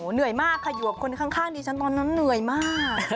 เหนื่อยมากขยวบคนข้างดิฉันตอนนั้นเหนื่อยมาก